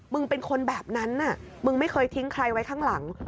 เป็นคนแบบนั้นมึงไม่เคยทิ้งใครไว้ข้างหลัง